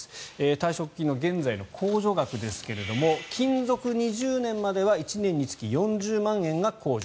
退職金の現在の控除額ですが勤続２０年までは１年につき４０万円が控除。